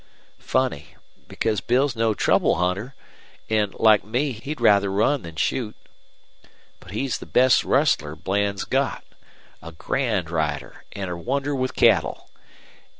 Funny, because Bill's no troublehunter, an', like me, he'd rather run than shoot. But he's the best rustler Bland's got a grand rider, an' a wonder with cattle.